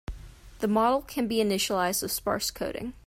The model can be initialized with sparse coding.